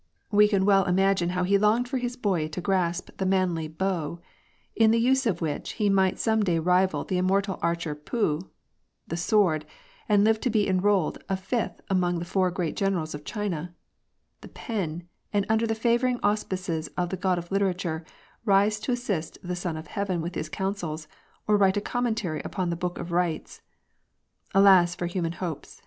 We can imagine how he longed for his boy to PREDESTINATION. 167 grasp the manly how, in the use of which he might some day rival the immortal archer Pu :— the sword, and live to be enrolled a fifth among the four great generals of China :— the jpen, and under the favouring auspices of the god of literature, rise to assist the Son of Heaven with his counsels, or write a commentary upon the Book of Eites. Alas for human hopes